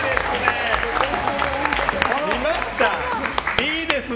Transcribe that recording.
いいですね。